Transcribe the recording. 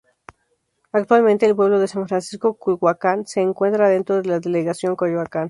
Actualmente, El pueblo de San Francisco Culhuacán, se encuentra dentro de la delegación Coyoacán.